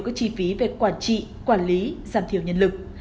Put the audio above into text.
các chi phí về quản trị quản lý giảm thiểu nhân lực